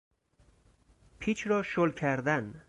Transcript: پیچ را شل کردن